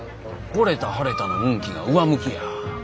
ほれたはれたの運気が上向きや。